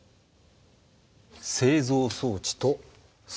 製造装置と素材。